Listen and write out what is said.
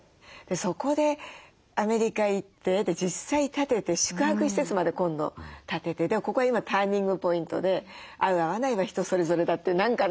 そこでアメリカ行って実際建てて宿泊施設まで今度建ててここが今ターニングポイントで合う合わないは人それぞれだって何かね